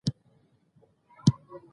موږ تېره اونۍ په کابل کې لوبه وکړه.